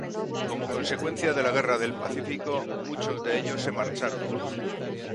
Como consecuencia de la guerra del Pacífico, muchos de ellos se marcharon.